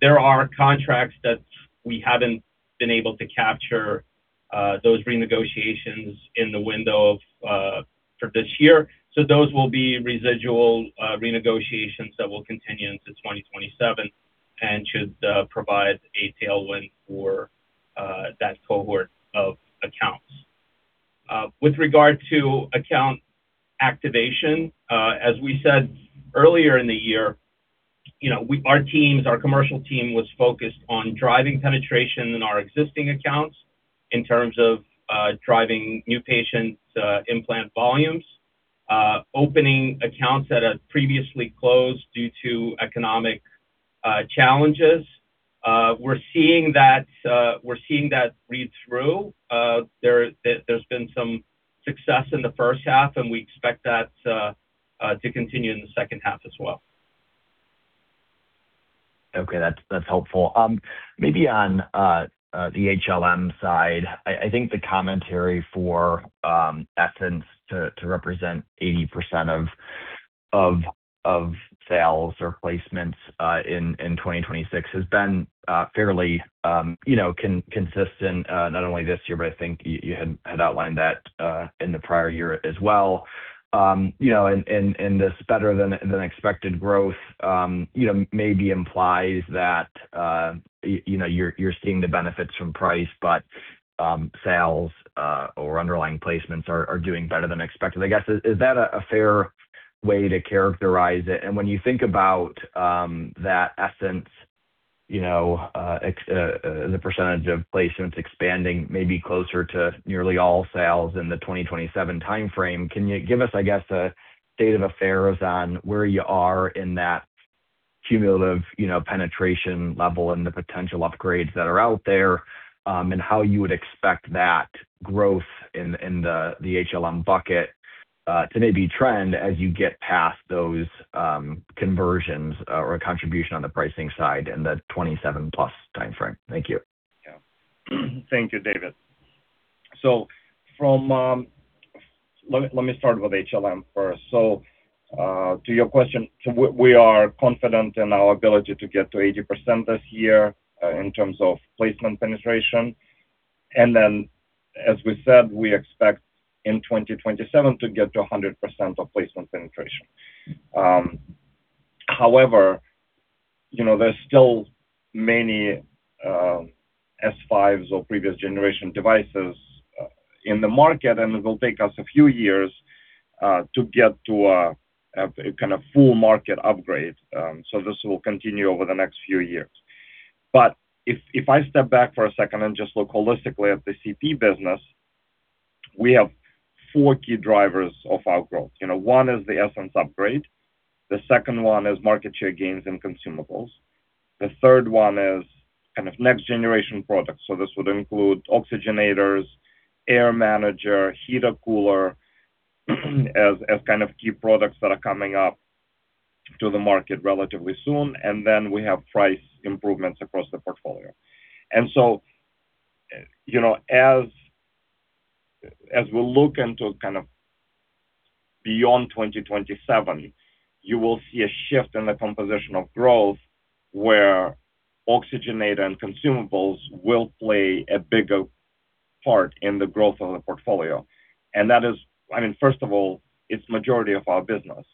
There are contracts that we haven't been able to capture those renegotiations in the window for this year. Those will be residual renegotiations that will continue into 2027 and should provide a tailwind for that cohort of accounts. With regard to account activation, as we said earlier in the year, our commercial team was focused on driving penetration in our existing accounts in terms of driving new patient implant volumes, opening accounts that had previously closed due to economic challenges. We're seeing that read through. There's been some success in the first half, and we expect that to continue in the second half as well. Okay. That's helpful. Maybe on the HLM side, I think the commentary for Essenz to represent 80% of sales or placements in 2026 has been fairly consistent, not only this year, but I think you had outlined that in the prior year as well. This better-than-expected growth maybe implies that you're seeing the benefits from price, but sales or underlying placements are doing better than expected. I guess, is that a fair way to characterize it? When you think about that Essenz as a percentage of placements expanding maybe closer to nearly all sales in the 2027 timeframe, can you give us, I guess, a state of affairs on where you are in that cumulative penetration level and the potential upgrades that are out there, and how you would expect that growth in the HLM bucket to maybe trend as you get past those conversions or contribution on the pricing side in the 2027-plus timeframe? Thank you. Thank you, David. Let me start with HLM first. To your question, we are confident in our ability to get to 80% this year in terms of placement penetration. Then, as we said, we expect in 2027 to get to 100% of placement penetration. However, there is still many S5s or previous generation devices in the market, and it will take us a few years to get to a kind of full market upgrade. This will continue over the next few years. If I step back for a second and just look holistically at the CP business, we have four key drivers of our growth. One is the Essenz upgrade. The second one is market share gains and consumables. The third one is kind of next generation products. This would include oxygenators, Air Manager, Heater-Cooler as kind of key products that are coming up to the market relatively soon. Then we have price improvements across the portfolio. As we look into kind of beyond 2027, you will see a shift in the composition of growth, where oxygenator and consumables will play a bigger part in the growth of the portfolio. First of all, it is majority of our business.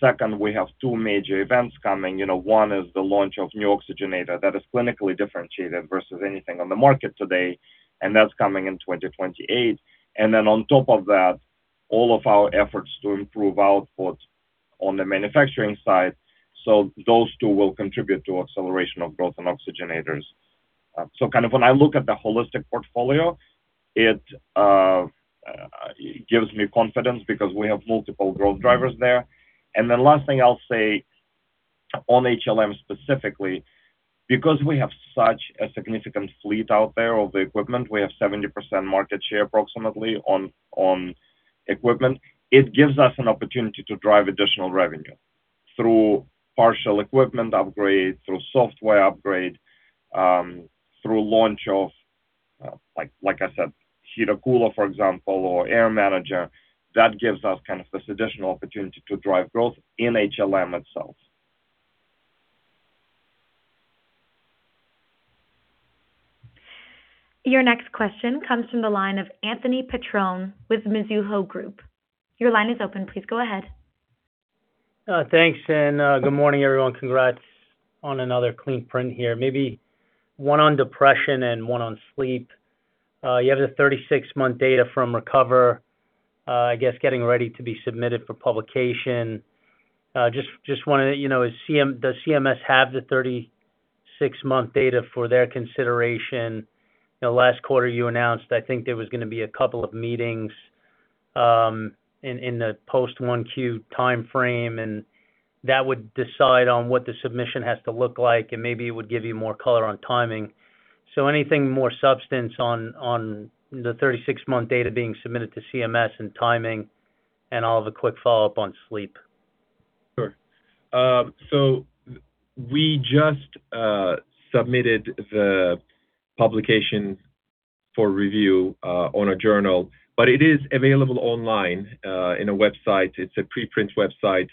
Second, we have two major events coming. One is the launch of new oxygenator that is clinically differentiated versus anything on the market today, and that is coming in 2028. Then on top of that, all of our efforts to improve output on the manufacturing side. Those two will contribute to acceleration of growth in oxygenators. When I look at the holistic portfolio, it gives me confidence because we have multiple growth drivers there. The last thing I'll say on HLM specifically, because we have such a significant fleet out there of the equipment, we have 70% market share approximately on equipment. It gives us an opportunity to drive additional revenue through partial equipment upgrades, through software upgrade, through launch of, like I said, Heater-Cooler, for example, or Air Manager. That gives us this additional opportunity to drive growth in HLM itself. Your next question comes from the line of Anthony Petrone with Mizuho Group. Your line is open. Please go ahead. Thanks. Good morning, everyone. Congrats on another clean print here. Maybe one on depression and one on sleep. You have the 36-month data from RECOVER, I guess, getting ready to be submitted for publication. Does CMS have the 36-month data for their consideration? Last quarter you announced, I think there was going to be a couple of meetings in the post 1Q timeframe, and that would decide on what the submission has to look like, and maybe it would give you more color on timing. Anything more substance on the 36-month data being submitted to CMS and timing? I'll have a quick follow-up on sleep. Sure. We just submitted the publication for review on a journal, but it is available online, in a website. It's a preprint website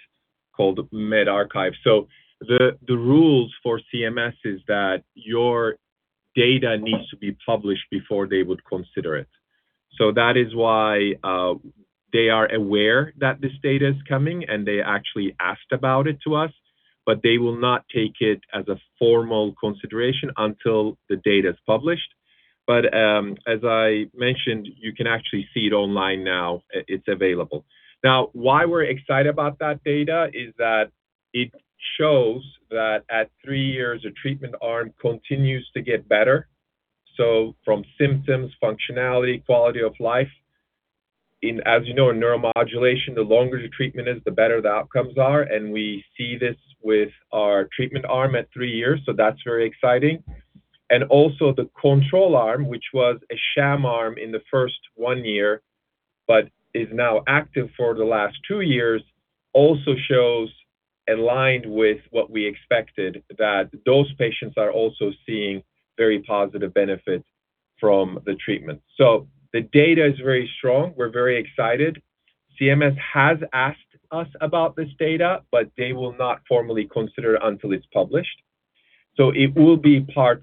called medRxiv. The rules for CMS is that your data needs to be published before they would consider it. That is why they are aware that this data is coming, and they actually asked about it to us, but they will not take it as a formal consideration until the data's published. As I mentioned, you can actually see it online now. It's available. Why we're excited about that data is that it shows that at three years, a treatment arm continues to get better. From symptoms, functionality, quality of life. As you know, in neuromodulation, the longer the treatment is, the better the outcomes are, and we see this with our treatment arm at three years, so that's very exciting. Also the control arm, which was a sham arm in the first one year, but is now active for the last two years, also shows aligned with what we expected that those patients are also seeing very positive benefits from the treatment. The data is very strong. We're very excited. CMS has asked us about this data, but they will not formally consider it until it's published. It will be part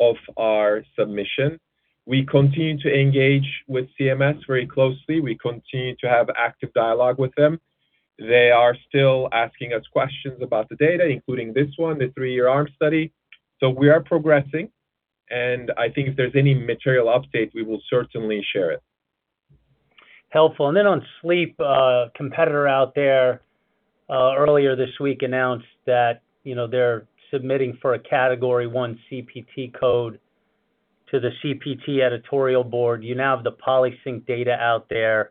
of our submission. We continue to engage with CMS very closely. We continue to have active dialogue with them. They are still asking us questions about the data, including this one, the three-year arm study. We are progressing, and I think if there's any material update, we will certainly share it. Helpful. Then on sleep, a competitor out there, earlier this week, announced that they're submitting for a Category 1 CPT code to the CPT editorial board. You now have the PolySync data out there.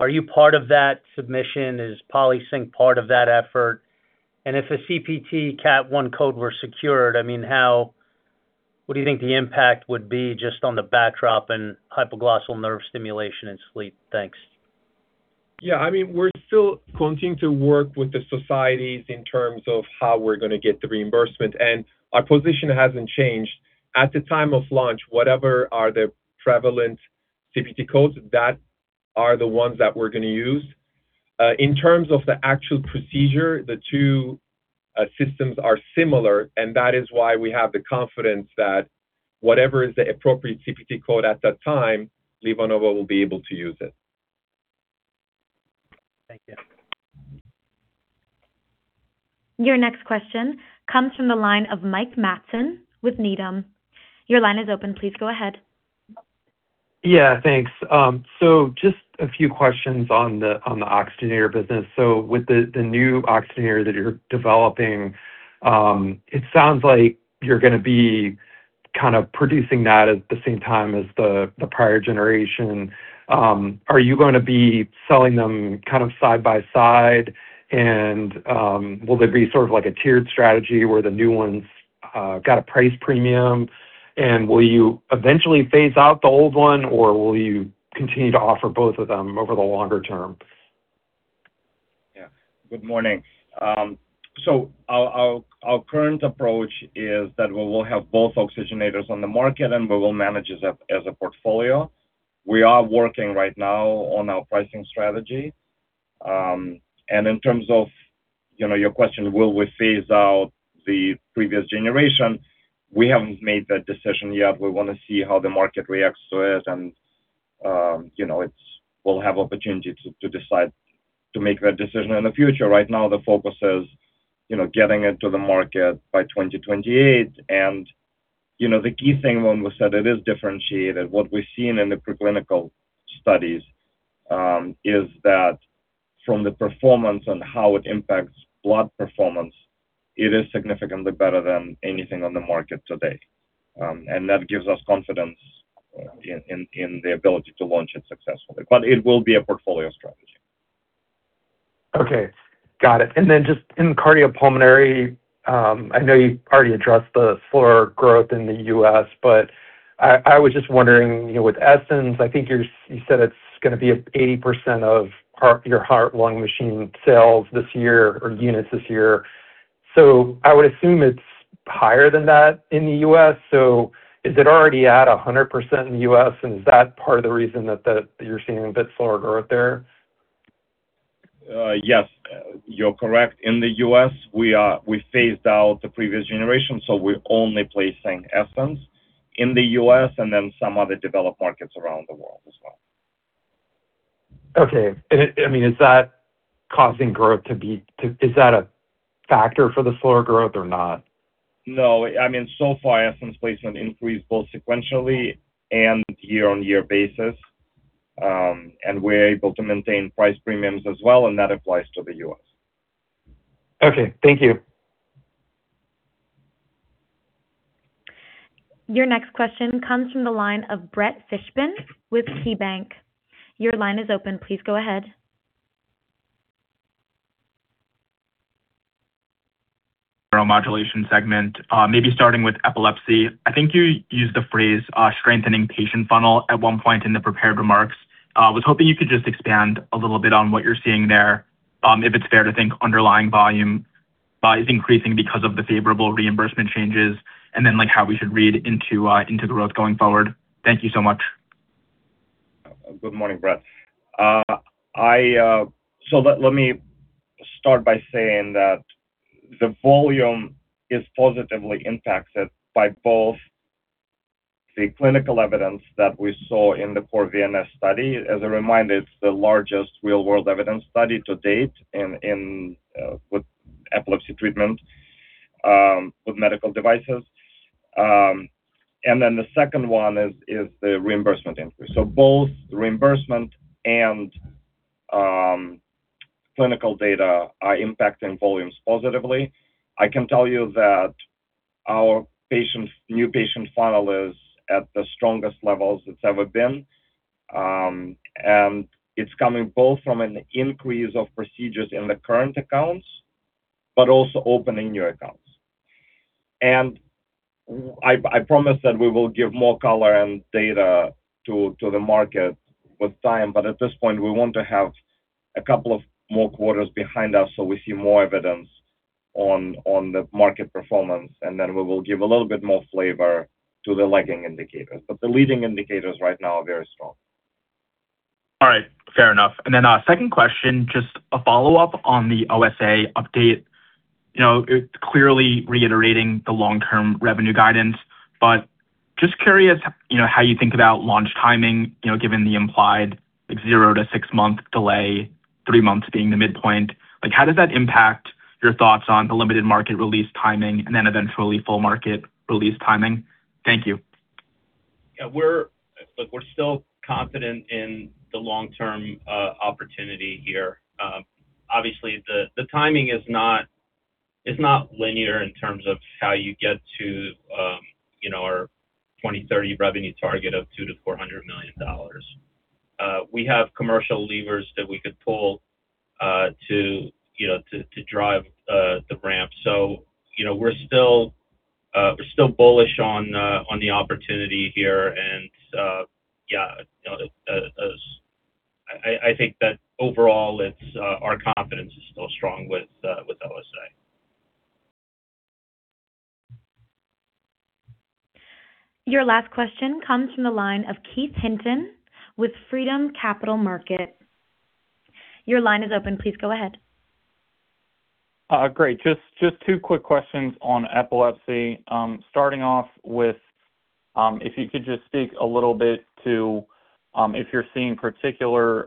Are you part of that submission? Is PolySync part of that effort? If a CPT cat 1 code were secured, what do you think the impact would be just on the backdrop and hypoglossal nerve stimulation and sleep? Thanks. Yeah, we're still continuing to work with the societies in terms of how we're going to get the reimbursement. Our position hasn't changed. At the time of launch, whatever are the prevalent CPT codes, that are the ones that we're going to use. In terms of the actual procedure, the two systems are similar. That is why we have the confidence that whatever is the appropriate CPT code at that time, LivaNova will be able to use it. Thank you. Your next question comes from the line of Mike Matson with Needham. Your line is open. Please go ahead. Yeah, thanks. Just a few questions on the oxygenator business. With the new oxygenator that you're developing, it sounds like you're going to be producing that at the same time as the prior generation. Are you going to be selling them side by side? Will there be a tiered strategy where the new ones got a price premium? Will you eventually phase out the old one, or will you continue to offer both of them over the longer term? Yeah. Good morning. Our current approach is that we will have both oxygenators on the market, and we will manage it as a portfolio. We are working right now on our pricing strategy. In terms of your question, will we phase out the previous generation? We haven't made that decision yet. We want to see how the market reacts to it, and we'll have opportunity to decide to make that decision in the future. Right now, the focus is getting it to the market by 2028, and the key thing when we said it is differentiated, what we've seen in the preclinical studies is that from the performance and how it impacts blood performance, it is significantly better than anything on the market today. That gives us confidence in the ability to launch it successfully. It will be a portfolio strategy. Okay. Got it. Just in cardiopulmonary, I know you already addressed the slower growth in the U.S., but I was just wondering, with Essenz, I think you said it's going to be 80% of your heart and lung machine sales this year or units this year. I would assume it's higher than that in the U.S. Is it already at 100% in the U.S., and is that part of the reason that you're seeing a bit slower growth there? Yes. You're correct. In the U.S., we phased out the previous generation, we're only placing Essenz in the U.S. Some other developed markets around the world as well. Okay. Is that a factor for the slower growth or not? No, so far, Essenz placement increased both sequentially and year-on-year basis. We're able to maintain price premiums as well, and that applies to the U.S. Okay. Thank you. Your next question comes from the line of Brett Fishbin with KeyBanc. Your line is open. Please go ahead. Neuromodulation segment, maybe starting with epilepsy. I think you used the phrase "strengthening patient funnel" at one point in the prepared remarks. I was hoping you could just expand a little bit on what you're seeing there, if it's fair to think underlying volume is increasing because of the favorable reimbursement changes, and then how we should read into the growth going forward. Thank you so much. Good morning, Brett. Let me start by saying that the volume is positively impacted by both the clinical evidence that we saw in the core VNS study. As a reminder, it's the largest real-world evidence study to date in epilepsy treatment with medical devices. The second one is the reimbursement increase. Both reimbursement and clinical data are impacting volumes positively. I can tell you that our new patient funnel is at the strongest levels it's ever been. It's coming both from an increase of procedures in the current accounts, but also opening new accounts. I promise that we will give more color and data to the market with time. At this point, we want to have a couple of more quarters behind us so we see more evidence on the market performance, and then we will give a little bit more flavor to the lagging indicators. The leading indicators right now are very strong. All right. Fair enough. A second question, just a follow-up on the OSA update. It's clearly reiterating the long-term revenue guidance, but just curious how you think about launch timing, given the implied zero to six month delay, three months being the midpoint. How does that impact your thoughts on the limited market release timing and then eventually full market release timing? Thank you. Yeah. We're still confident in the long-term opportunity here. Obviously, the timing is not linear in terms of how you get to our 2030 revenue target of $200 million-$400 million. We have commercial levers that we could pull to drive the ramp. We're still bullish on the opportunity here. Yeah, I think that overall, our confidence is still strong with OSA. Your last question comes from the line of Keith Hinton with Freedom Capital Markets. Your line is open. Please go ahead. Great. Just two quick questions on epilepsy. Starting off with if you could just speak a little bit to if you're seeing particular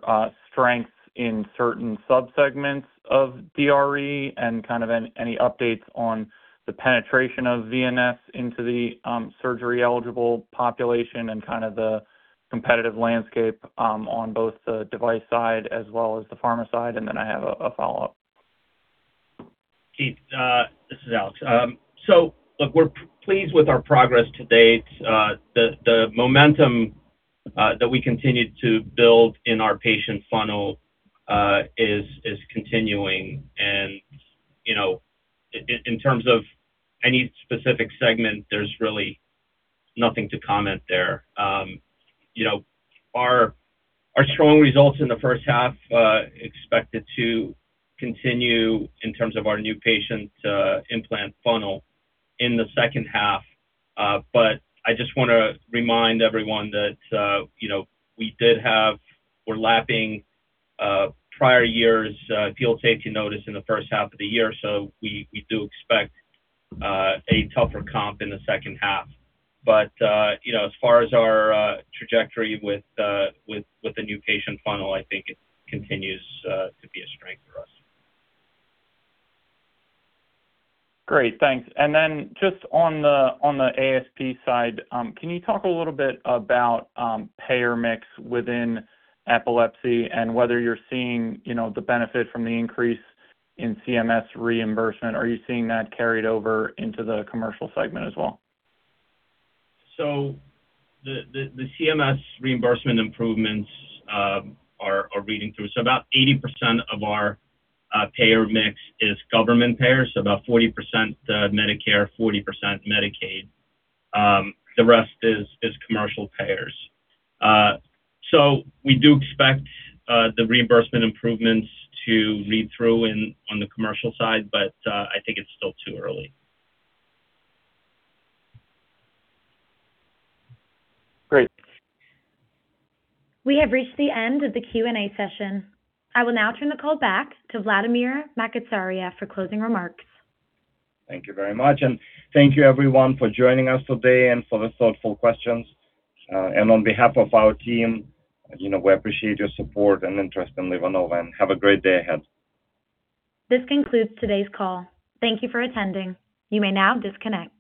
strengths in certain subsegments of DRE and kind of any updates on the penetration of VNS into the surgery-eligible population and kind of the competitive landscape on both the device side as well as the pharma side, and then I have a follow-up. Keith, this is Alex. Look, we're pleased with our progress to date. The momentum that we continued to build in our patient funnel is continuing. In terms of any specific segment, there's really nothing to comment there. Our strong results in the first half are expected to continue in terms of our new patient implant funnel in the second half. I just want to remind everyone that we're lapping prior year's field safety notice in the first half of the year, so we do expect a tougher comp in the second half. As far as our trajectory with the new patient funnel, I think it continues to be a strength for us. Great, thanks. Then just on the ASP side, can you talk a little bit about payer mix within epilepsy and whether you're seeing the benefit from the increase in CMS reimbursement? Are you seeing that carried over into the commercial segment as well? The CMS reimbursement improvements are reading through. About 80% of our payer mix is government payers, so about 40% Medicare, 40% Medicaid. The rest is commercial payers. We do expect the reimbursement improvements to read through on the commercial side, but I think it's still too early. Great. We have reached the end of the Q&A session. I will now turn the call back to Vladimir Makatsaria for closing remarks. Thank you very much, and thank you everyone for joining us today and for the thoughtful questions. On behalf of our team, we appreciate your support and interest in LivaNova, and have a great day ahead. This concludes today's call. Thank you for attending. You may now disconnect.